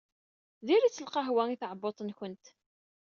Diri-tt lqahwa i tɛebbuṭ-nkent.